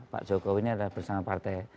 pak jokowi ini adalah bersama partai